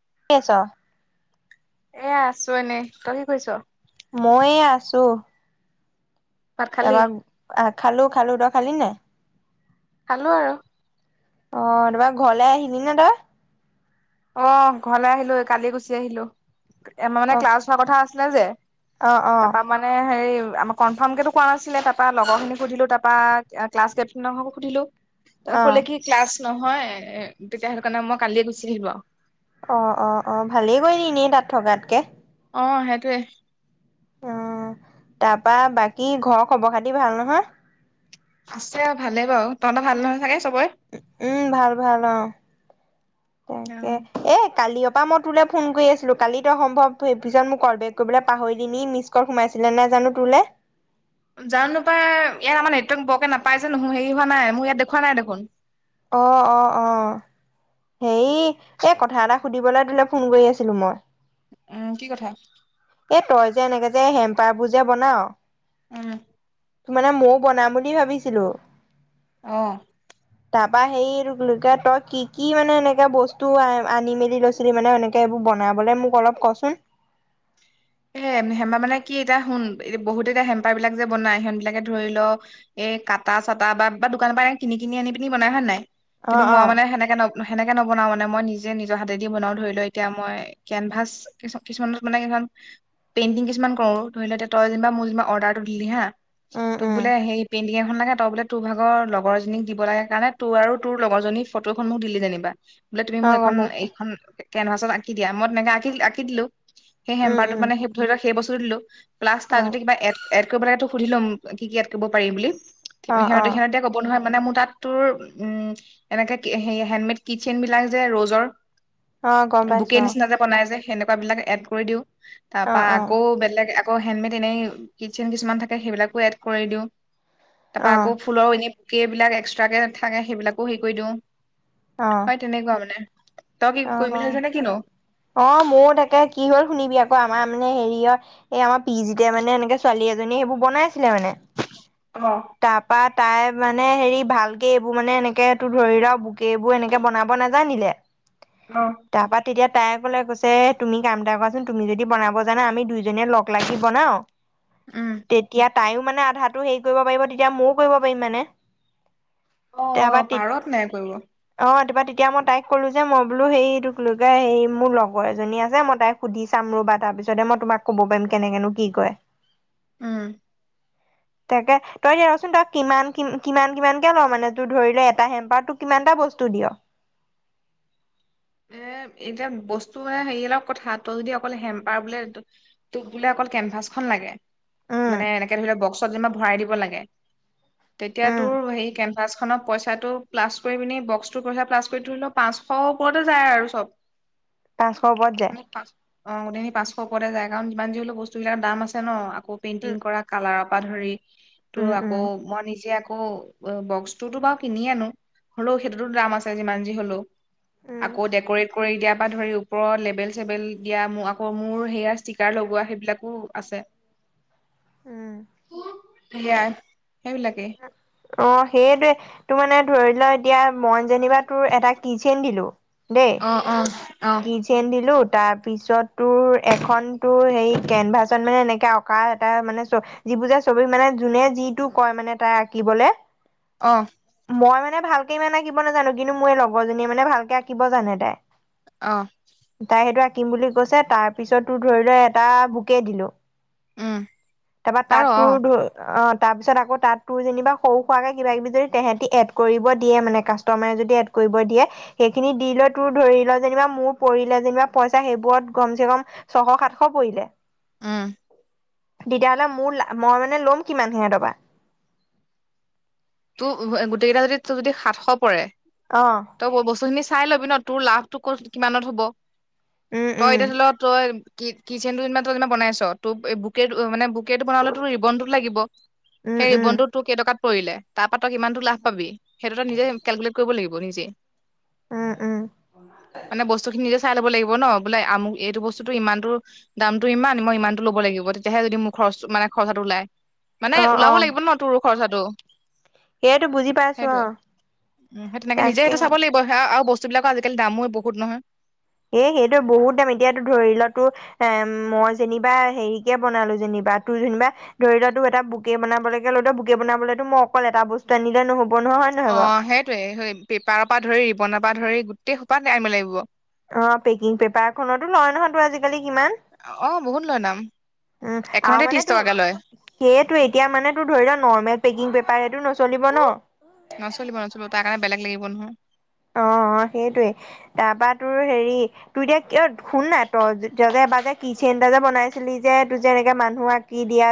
[unintelligible] এ আছো এনেই তই কি কৰিছো। মইয়ে আছো ভাত খালি তাৰপা আহ খালো খালো ত খালি নে? খালো আৰু অ' তোমাৰ ঘৰলে আহিলি নে তই অ' ঘৰলৈ আহিলো কালি গুচি আহিলো এ মানে অ ক্লাছ হোৱা কথা আছিলে যে অ অ তাৰপা মানে হেৰি আমাক কনফাৰ্ম কোৱা নাছিলে তাৰপা লগৰ খিনিক সুধিলো তাৰপা ক্লাছ কেপ্টনৰ হক সুধিলো অ তই কলে কি ক্লাছ নহয় এ তেতিয়া সেইটো কাৰণে মই কালিয়ে গুচি আহিলো আৰু অ অ অ ভালেই কৰি নিনেই তাত থকাতকে অ' সেইটোৱে অ' তাৰপা বাকী ঘৰৰ খবৰ খাতি ভাল নহয় আছে আৰু ভালেই বাৰু তহঁতৰ ভাল নহয় চাগে চবৰে উ উম ভাল ভাল অ অ তাকে এ কালি তাপা মই তোলৈ ফোন কৰি আছিলো কালিতো সম্ভৱেইত মোক কল বেক কৰিবলৈ পাহৰিল ন নি মিছ কল সোমাইছিলে নোন। জানো তোলে [unintelligible] জান নোপাই ইয়াত আমাৰ নেটৱৰ্ক বৰকে নাপাই যে নহয় হেৰি হোৱা নাই মই ইয়াত দেওৱ নাই দেখোন অহ অ অহ হে এই কথা এটা সুধিবলৈ তোলে ফোন কৰি আছিলো মই অ' কি কথা এ তই যে এনেকে যে হেম্পাৰবোৰ যে বনাও উম তো মানে মইও বনাম বুলি ভাবিছিলো অহ তাৰপা সেই লোকে তই কি কি মানে এনেকাে বস্তু আনি মেলি লৈছিলি মানে এনেকে এইবোৰ বনাবলে মোক অলপ কচোন [inaudible] হে হেম্পা মানে কি এতিয়া শুন এতিয়া বহুত এতিয়া হেম্পাৰ বিলাক যে বনাই সিহন বিলাকে ধৰি ল এ এ কাটা-চাটা বা দোকানৰ পৰা এনে কিনি কিনি আনি পিনি বনাই হয় নে নাই। অ কিন্তু অ মই মানে সেনেকে ন সেনেকে নবনাও মানে, মই নিজে নিজৰ হাতেদি বনাও। ধৰি ল, এতিয়া মই কেনভাচ কিছুমানত মানে কিছুমান পেইণ্টিং কিছুমান কৰো ধৰি লও তই যেনিবা মোৰ অৰ্ডাৰটো দিলি হা উম তোক উম বোলে সেই পেণ [unintelligible] লাগে তই বোলে তোৰ ভাগৰ লগৰ এজনীক দিব লাগে কাৰণে তোৰ আৰু তোৰ লগৰজনীৰ ফটোখন মোক দিলি যেনিবা। বোলে তুমি অ মোক গম এখন পাইছো এইখন কেনভাছত আঁকি দিয়া, মই তেনেকে আঁ-আঁকি দিলো। উম উম অ সেই [inaudible] কৰিব লাগো সুধি লম কি ইাত ক কৰিব পিম বুলি অ অ সিহঁতে সিহঁততি কব নহয়। মানে মোৰ তাত তোৰ উ এনেকে হেডমেড কিটচেন বিলাক যে ৰজৰ অ গম বকে পাইছো নিচিনা যে বনাই যে সেনেকুৱা বিলাক এড কৰি দিও তাৰ অ পৰা অ আকৌ বেলেগ আকৌ হেণ্ডমেড এনেই কিটচেন কিছুমান থাকে সেইবিলাকো এড কৰি দিওঁ তাৰপা অ অ আকৌ ফুলৰ এনে। কেইবিলাক এক্সট্ৰাকে নাথাকে সেইবিলাকো হেৰি কৰি দিও অ হয় তেনেকুৱা মানে। তই কি কৰিম অ বুলি ভাবিছ নে কিনো অ মোৰো তাকে কি হ'ল শুনিবি আকৌ। আমাৰ মানে হেৰিয়ৰ এই আমাৰ পিজতে মানে এনেকে ছোৱালী এজনী সেইবোৰ বনাইছিলে মানে। অ তটা পাত তাই মানে হেৰি ভালকে এইবোৰ মানে এনেকে ত ধৰি লও বোকে এইবোৰ এনেকে বনাব নাজানিলে। অ তাৰপা তেতিয়া তাই কলে কৈছে তুমি কাম এটা কৰাচোন তুমি যদি বনাব জানা আমি দুই। যনে লগ লাগি বনাও উম তেতিয়া তাইও মানে আধা হেৰি কৰিব পাৰিব তেতিয়া ময়ও কৰিব পাৰিম মানে অ অ তাৰপা পাৰত নাই কৰিব অ তাৰপা। তেতিয়া মই তাইক ক'লো যে মই বোলো সেইটোক লোকে সেই মোৰ লগৰ এজনী আছে মই তাইক সুধি চাম ৰুবা তাৰপিছতে মই তোমাক কব পাৰিম কেনেকেনো কি কয়। উম। তাকে। তই দ ৰচোন তই কিমান কি কিমান কিমানকৈ ল মানে তোৰ ধৰি ল এটা হেম্পাৰ তোক কিমানটা বস্তু দিয়। [inaudible] এ, এতিয়া বস্তু মানে হেৰি অলপ কথা তই যদি অকল হেম্পাৰ বোলে তটোপ বোলে অ অকল কেনভাচখনন লাগে উম। মানে এনেকে ধৰি লওক বক্সত যে ভৰাই দিব লাগে তেতিয়া উম। তোৰ হেই কেনফাচখনত পইচাটো প্লাছ কৰি পিনি বক্সটো পইচা প্লাছ কৰি তৰি লও পাঁচশ পৰতে যায় আৰু চব পাঁচশ ও পৰত মানে যায় পাঁচ অ গোটেইখিন পাঁচশ ওপৰতে যায় কাৰণিমান যি হলেও বস্তুবলাক দাম আছে ন আকৌ উম, পেইণ্টিং কৰা কালাৰৰ। ধৰি তো উম, আকৌ মই নিজে আকৌ বক্সটোতো বাৰু কিনি আনো হলেও সেইটোতো দাম আছে যিমান যি হলেও। উম। আকৌ ডেক'ৰেট কৰি দিয়া পৰা ধৰি ওপৰৰ লেবেল চেবেল দিয়া মোক আকৌ মোৰ হেয়াৰ ষ্টিকাৰ লগোৱা সেইবিলাকো আছে। উম। সয়াৰ [unintelligible] অ', সেইটোৱে তোৰ মানে ধৰি লোৱা এতিয়া মইন যেনিবা তোৰ এটা কিচেন দিলো। অ', অ',। কি চেন দিলো। তাৰ পিছত তোৰ এখন তোৰ হে কেনভাচত মানে এনেকে অঁকা এটা মানে চ। যিিবুজা ছবি মানে যোনে যিটো কয় মানে তাই আঁকিবলে। অঁ। মই মানে ভালকে ইমান আঁকিব নাজানো কিন্তু মোৰ এই লগৰজনীয়ে মানে ভালকে আঁকিব জানে তাই অ তাই সেইটো আঁকিম বুলি কৈছে তাৰ পিছত তো ধৰি লোৱা এটা বুকে দিলো। উম তাৰপা পাৰ তাতো অ ধ অ', তাৰপিছত আকৌ তাত তোৰ যেনিবা সৰু খোৱাকৈ কিবা কিবি যদি তেহাঁতি এড কৰিব দিয়ে মানে কাষ্টমাৰে যদি এড কৰি কৰিব দিয়ে সেইখিনি দি লৈ টোৰ ধৰি ল। যেনিবা মোৰ পৰিলে যেনিবা পইচা সেইবোৰত কম চে কম ছশ সাতশ পৰিলে। উম তেতিয়াহ'লে মোৰ মই মানে ল'ম কিমান হিনে তবা তো গোটেই কেইটা যদি যদি সাতশ পৰে অ তই বস্তুখিনি চাই লবি ন তোৰ লাভটো কত কিমানত হব উম তই উম এতিয়া ধৰি ল তই কি - কিচেন ইমান তমান বনাইছ তোক বুকে মানে বু কেইটো বনালে তোৰ ৰিবনতো লাগিব উম সেই উম ৰিবনতো তোৰ কেইটকাত পৰিলে তাৰপা তই কিমানতো লাভ পাবি সেইটো এটা নিজে কেলকুলট কৰিব লাগিব নিজে উম উম মানে বস্তু খিনি নিজে। চাই ল'ব লাগিব ন আমু বোলে এইটো বস্তুতটো ইমানটো দাম টো ইমান মই ইমান ল'ব লাগিব তেতিয়াহে যদি মুখৰ খচ মানে খৰচাটো ওলাই মানে অ অ ওলাব লাগিব ন তোৰ খৰচাটো। সেইটো বুজি পাইছো অ সেইটোৱে উম, সেই তেনেকে নিজে সেইটো তাকে চাব লাগিব সয়া আৰু বস্তু বস্তুবাক আজিকালি দামো বহুত নহয়। এ সেইটোে বহুত দাম এতিয়াতো ধৰি ল তোৰ এ মই যেনিবা হেৰিকে বনালো যেনি বা তোৰ যেনিবা ধৰি লোৱা ত এটা বকে বনাবলৈকে লৈলে বুকে বনাবলৈতো মই অকল এটা বস্তু আনিলে নহ'ব নহয় হয় নহয় অ বাৰু সেইটয়ে পেপাৰৰ পৰা ধৰি ৰিবনৰ পৰা ধৰি গোটেই সোপাত আনিব লাগিব অ, পেকিং পেপাৰ খতো লয় নহয় তো আজিকালি কিমান? অ বহুত লয় দাম উম আৰু এখনতে মানে ত্ৰিশ তো টকাকে লয় সেইয়েতোৱে এতিয়া মানে তোৰ ধৰি ল নৰ্মেল পেকি বেপাৰ সটো নচলিব ন। নচলিব - নচলিব তাৰ কাৰণে বেলেগ লাগিব নহয়। অ - অ সেইটয়ে তাৰপা তোৰ হেৰি তোৰ এতিয়া কিয় শুন নাই ত বাবে যে কিচেইন এটা যে বনাইছিলি যে তোৰ যে এনেকে মানুহ আঁকি দিয়া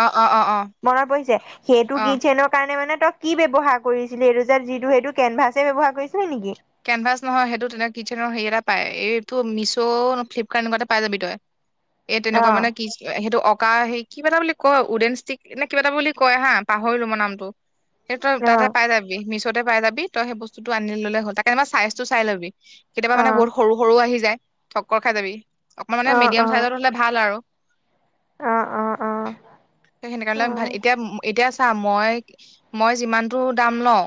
অ অ অ অ মনত পৰিছে সেইটো অ কি চনৰ কাৰণে মানে। কি ব্যৱহাৰ কৰিছিলে এইটো যে যিটো সেইটো কেনভাছে ব্যবহাৰ কৰিছিল। কেনভাছ নহয় সেইটো তেনেক কিচেনৰ সেৰি এটা পাই এইটো মিছ' ন ফ্লিপকাৰ্ট এনেকুৱা এটাত পাই যাবি তই এই অ তেনেকুৱা মানে কি চ সেইটো মানে কা সেই কিবা এটা বুলি কয় উডেন ষ্টিক নে কিবা এটা বুলি কয় হা পাহৰিলো মই নামটো সেই তই অ তাতে পাই যিছতে পাই যাবি তইেই বস্তুতটো আনি ললে হল তাকে মই চাইজটো চাই ল'ব। কেতিয়াবা অ মানে বহুত সৰু সৰু আহি যায় ঠক্কৰ খাই যাবি অকমান মানে অ মিডিয়াম অ চাইজত হলে ভাল আৰু অ অ সেই সেনে অ কাৰণে ভাল এতিয়া - এতিয়া চা মই মই যিমানতটো দাম লও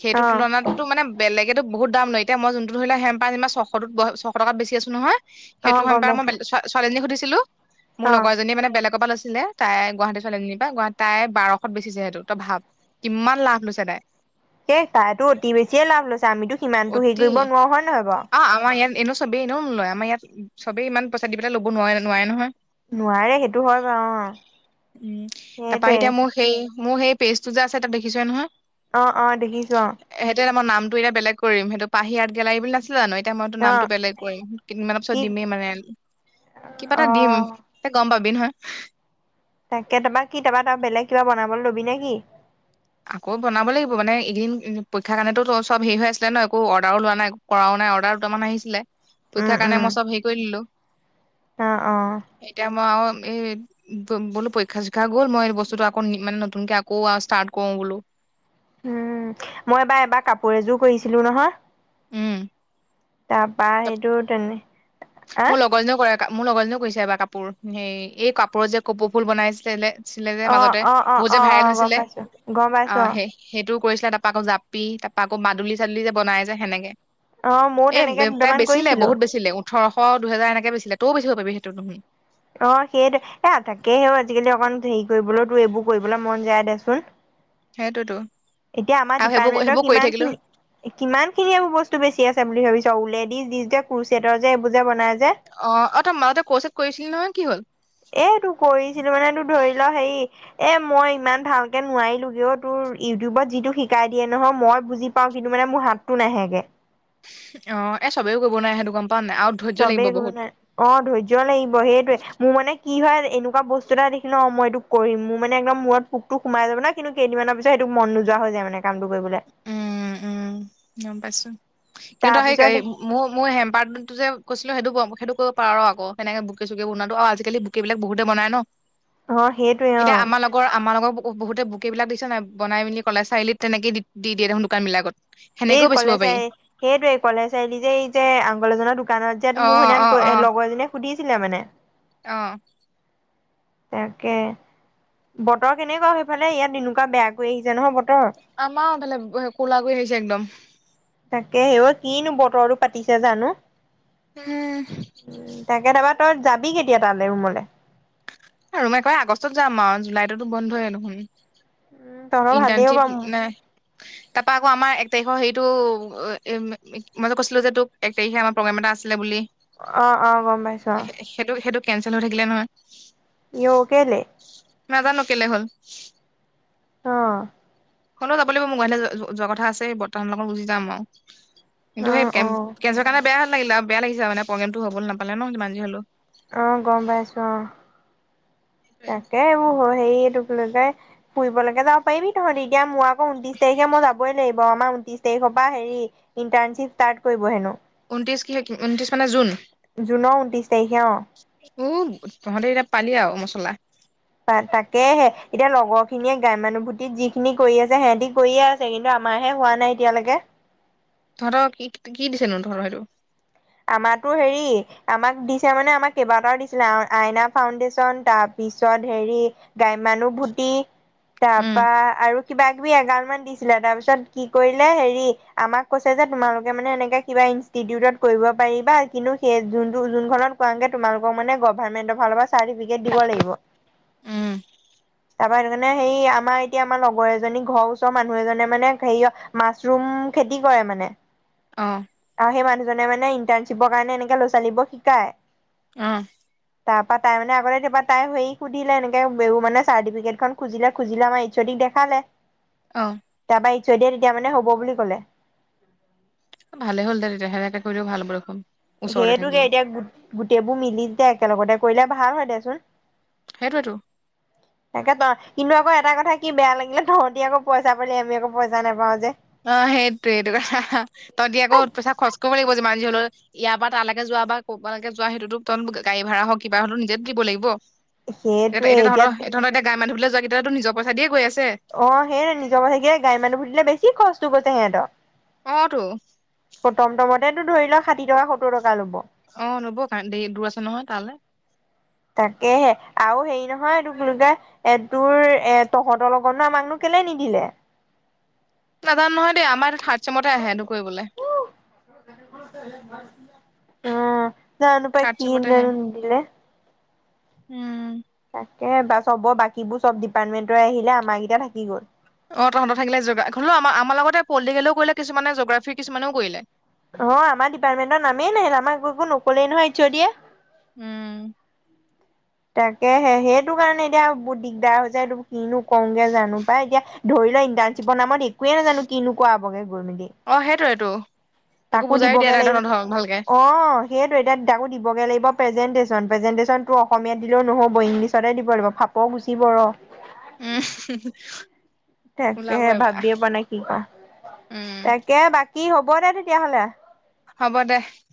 সেইটো অ তুলনাতো মানে বেলেগ বহুত দাম লয় এতিয়া মই যোনটো ধৰিল হেম্পাৰ যেনিবা ছশত ছশ টকাত বেছি আছো নহয় অ সেইটো সময় গম পাৰ মই পাইছো ছোৱালীজনীক সুধিছিলো মোৰ অ লগৰজনীয়ে মানে বেলেগৰ পৰা লৈ। ছিলে তাই গুৱাহাটী চোৱালী এজনী পা গুৱাহাট তাই বাৰশত বেছিছে সেইটো তই ভাৱ কিমান লাভ লৈছে তাই সেই তাইতো অতি বেছিয়ে লাভ লৈছে আমিতো সিমানতো হেৰি অতি কৰিব নোৱাৰো হয় নহয় বাৰু অ আমাৰ ইয়াত এনেও চবেই এনেও নলয় আমাৰ ইয়াত সবেই ইমান পইচা দি পেলাই ল'ব নোৱাৰে - নোৱাৰে নহয়। নোৱাৰে সেইটো হয় বাৰু অ উম, তাৰাপা সেইটোৱে এতিয়া মোৰ সেই মোৰ সেই পেজ টো যে আছে তাত দেখিছে নহয়। অ - অ দেখিছো। সেইটো এতিয়া মই নামটো এতিয়ােলেগ কৰিম সেইটো পাহি আৰ্ট গেলাৰী বুলি নাছিল। জানো এতিয়া মইতো অ নামটো বেলেগ কৰিম কেইদিনমানৰ পিছত কি দিমেই মানে কিবা অ এটা দিম ত গম পাবি নহয়। তাকে তাৰপা কি তাৰা ত বেলেগ কিবা বনাব ল'বি নে কি? আকৌ বনাব লাগিব মানে এদিন পৰীক্ষাৰ কাৰণেতো চব হেৰি হৈ আছিলে ন একো অৰ্ডাৰো লোৱা নাই কৰাও নাই। ম অৰ্ডাৰ দুটামান আহিছিলে। উম পৰীক্ষাৰ কাৰণে উম মই চব হেৰি কৰি দিলো অ অ এতিয়া মই আৰু এ বো বুলো পৰীক্ষা চইক্ষা গ'ল মই বস্তুটো আকৌ মানে নতুনকে আকৌ ষ্টাৰ্ট কওঁ বলো উম মইবাৰ এবাৰ কাপোৰ এযোৰ কৰিছিলো নহয় উম,, তাৰাপা সেইটো তেনে হ মোৰ লগৰজনীও কৰে মোৰ লগৰজনীয়েও কৈছে এবাৰ কাপোৰ হ এই কাপোৰৰ যে কপৌ ফুল বনাইছিলে ছিলে যে অ', মাজতে অ', অ', বহুত অ', যে ভাইৰেল অ', গম হৈছিলে পাইছো গম পাইছো অ অ', সেই সেইটো কৰিছিলে তাৰপৰা আকৌ জাপি তাৰাপা আকৌ মাদুলী চাদুলি যে বনাই যে সেনেকে অ মোৰ এ তেনেকে তাই দুটামান বেচিলে কৰিছিলো। বহুতেছিলে ওঠৰশ দুহেজাৰ এনেকে তও বেছিব পাৰি সেইটো নহয় অ সেইটো এ থাকেহে আজিকালি অকমান হেৰি কৰিবলৈ তোৰ এইবোৰ কৰিবলৈ মন যায় দেচোন সেইটোতো এতিয়া আমাৰ আৰু সেইবোৰ ডিপাৰ্টমেন্টৰ সেইবোৰ কৰি কিমান থাকিলো খিনি কিমান খিনি এইবোৰ বস্তু বেছি আছে বুলি ভাবিছ ওলেদি দি যে কুোচডৰ যে এইবোৰ যে বনাই যে অ অ তই মতে কৌচেত কৈছিল এ তো কৰিছিলো মানে তোৰ ধৰি ল হেৰি এ মই ইমান ভালকে নোৱাৰিলোগেও তোৰ ইউটিউবত যিটো শিকাই দিয়ে নহয় মই বুজি পাওঁ কিন্তু মোৰ হাতটো নাহেগে অ এই চবেও কৰিব নোৱাৰাই সেইটো কাম চবেই কৰিব নোৱাৰে অ ধৈৰ্য লাগিব সেইটোৱে মোৰ মানে কি হয় এনেকুৱা বস্তু এটা দেখিলো অ মই এইটো কৰিম মোৰ মানে একদম মূৰত পোকটো সোমাই যাব না কিন্তু কেইদিনমানৰ পিছত সেইটো মন নোযোৱা হৈ যায় মানে কামটো কৰিবলৈ উম উম গম পাইছো কিন্তু তাৰ পিছত সেই মোৰ মোৰ হেম্পাৰ্ডটো যে কৈছিলো সেইটো কম সেইটো কৰিব পাৰ আৰু আকৌ হেনেকে বুকে চুকে বনাতো আও আজিকালি বুকে বিলাক বহুতে বনাই ন অ সেইটোৱে অ এতিয়া আমাৰ লগৰ আমাৰ লগৰ বহুতে বুকেইবিলাক দিছে নাই বনামেলি কলেজ চাৰি আলিত তেনেকেই দি দিয়ে দেখোন দোকানবিলাকত এই কলে চাৰি সেইটোৱে কলেজ চাৰিআলি যে এই যে আংগলজনৰ দোকানত অ তেতিয়াতো মোক সেই লগৰজনীয়ে সুধিছিলে মানে অহ তাকে বতৰ কেনেকুৱা সেইফালে ইয়াত এনেকুৱা বেয়াকৈ আহিছে নহয় বতৰ আমাৰও বোলে কোলা কৰিগ আহিছে একদম তাকে সেইও কিনো বতৰো পাতিছে জানো হম উম তাকে তাৰপৰা তই যাবি কেতিয়া তালৈ ৰুমলৈ আৰু মই কয় আগষ্টত যাম আৰু জুলাইততো বন্ধ হয়ে দেখোন উম তহঁতৰ ভালেই হ'ব ইণ্টাৰনশ্বিপ নাই তাৰ পৰা আকৌ আমাৰ এক তাৰিখৰ হেইটো মই যে কৈছিলো যে তোক এক তাৰিখে আমাৰ প্ৰগ্ৰেম এটা আছিলে বুলি আহ অ গম পাইছো সেইটো সেইটো কেনচেল হৈ থাকিলে নহয় ইও কেলে নাজানো কেলে হল অ শুনো যাব লাগিব মোৰ এতে যোৱা কথা আছে বৰ্তমান লগত গুজি যাম আৰু কিন্তু অ সেই অ কেঞ্চেল কাৰণে বেয়া লাগিলে আও বেয়া লাগিছে মানে প্ৰগেমটো হ'ব নাপালে ন সিমান যি হলো আহ গম পাইছো আহ তাকে এইবোৰ হৈ সেইটোক ফুৰিবলৈকে যাব পাৰিবি তহঁতি এতিয়া মোৰ আকৌ উনত্ৰিশ তাৰিখে মই যাবই লাগিব আমাৰ ঊনত্ৰিশ তাৰিখৰ পৰা হেৰি ইন্টাৰ্নশিপ ষ্টাৰ্ট কৰিব হেনো ঊত্ৰিছ ঊত্ৰিছ মানে জুন জুনৰ ঊনত্ৰিশ তাৰিখে অ উ তহঁতে এতিয়া পালি আৰু মছলা তাকেহে এতিয়া লগৰ খিনিয়ে গ্ৰাম্যানুভূতিত যিখিনি কৰি আছে সিহঁতি কৰিয়ে আছে কিন্তু আমাহে হোৱা নাই এতিয়ালৈকে তহঁত কি কি দিছেনো তহৰ সেইটো আমাৰতো হেৰি আমাক দিছে মানে আমাক কেইবাটাও দিছিলে আইনা ফাউডেশ্যন তাৰ পিছত হেৰি গাম্যানুভূতি উম তাৰপা আৰু কিবা [unintelligible] এগাল মান দিছিলে তাৰপিছত কি কৰিলে হেৰি আমাক কৈছে যে তোমালোকে মানে এনেকে কিবা ইনষ্টিটিউটত কৰিব পাৰিবা কিন্তু সেই যোনটো যোনখনত কৰাগে তোমালোকক মানে গভাৰমেন্টৰ ফালৰ পৰা চৰ্টিফিকেট দিব লাগিব উম তাৰপা সেইকাৰণে সে আমাৰ এতিয়া আমাৰ লগৰ এজনী ঘৰৰ ওচৰৰ মানুহ এজনে মানে হেৰি মাছৰুম খেতি কৰে মানে [inaudible] অ'। আৰু সেই মানুহজনে মানে ইণ্টাৰ্শ্বিপৰ কাৰণে এনেকে ল'ৰা ছোৱালীবোৰক শিকায়। আহ। তাৰ পৰাৰা তাই মানেগতেতিা তাই সে সুধিলে এনেকে ব মান চাৰ্টিফিকেট খুজিলে খুজিলে আমাৰ এইচঅ'ডি দেখালে অ তাৰপা ইশছয় দিয়ে তেতিয়া মানে হ'ব বুলি ক'লে। ভালে হ'ল দে তেতিয়া সেনেকে কৰিলেও ভাল দেখোন। ওচৰতে সেইয়েতোকে থাকিলে এতিয়া গোটেইবোৰ মিলি দে একেলগতে কৰিলে ভাল হয় দেচোন। সেইটোৱেতো। একে ত'। কিন্তু আকৌ এটা কথা কি বেয়া লাগিলে তহঁতি আকৌ পইচা পালি আমি আকৌ পইচা নাপাওঁ যে। অ', সেইটো সেইটো তহঁতি আকৌ পইচা খৰচ কৰিব লাগিব। যিমান যি হ'লেও ইয়াৰ পৰা তালৈকে যোৱা বা ক'বালৈে য সটোো তহত গাড়ী ভা়ড়া হওঁক কিবা হওঁক নিজেতো দিব লাগিব। এতিয়া এতি তহঁততিয়া তঁত এতি গ মানুবুললৈ যোৱা কেতিয়াাতো নিৰ পইচা দিয়ে গৈ আছে। অ', সেইয়হে নিজৰ কথাকে গাম্যানুভুতিলে বেছি কষ্ট কৰিছে সিহঁতৰ। অ' তো। এটো ধৰি লোৱা ষাঠি টকা সত্তৰ টকা। ল'ব অ লব দে দূৰ আছে নহয় তালৈ তাকেহে আৰু হেৰি নহয় এই তা এ তোৰ এ তহঁতৰ লগতনো আমাকনো কে নিদিলে। [unintelligible] নাজানো নহয় দেই আমাৰ এইটো থাৰ্ড চেমতে আহে সটো কৰিবলে। অ জানো পাই থাৰ্ড কি চেমতে আহে এনোনন্দিলে উম। তাকে বা চবৰ বাকীবোৰ চব ডিপাৰ্টমেন্টৰে আহিলে আমাৰ কেইটা থাকি গ'ল। অ', তহঁত থাকিলে জ হলেও আ আমাৰ লগতে পলিটিকেলও কৰিলে কিছুমানে জোগ্ৰাফি কিছুমানেও কৰিলে। অ', আমাৰ ডিপাৰ্টমেন্টৰ নামেই নাহিল আমাক একো নকলেই নহয় এইচঅ'দিয়ে। উম। তাকে সেইটো কাৰণে এতিয়া বহুত দিগদাৰ হৈ যায় এই কিনো কওঁগে জানো পাই এতিয়া ধৰি লও ইণ্টাৰ্শিপৰ নামত কোৱে নাজানো কিনো কৰাবগে গৈ মেলি। অ সেইটোৱেতো একো তাকো বুজাইও দিয়া দিবগে নাই লাগিব তহঁতৰ ভালকে অ', সেইয়টো এতিয়া তাকো দিবগে লাগিব। প্ৰেজেণ্টেশ্যন প্ৰেজেণ্টেশ্যনটো অসমীয়াত দিলেও নহ'ব ইংলিছতে দিব লাগিব ফাপৰ গুচিব ৰহ। উম ওলাব তাকেহে এবাৰ ভাবিয়ে পোৱা নাই কি কওঁ, উম তাকে বাকী কি হ'ব দে তেতিয়াহ'লে। হ'ব দে।